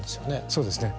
そうですね。